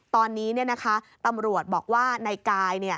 ตอนนี้ตำรวจบอกว่าในกาย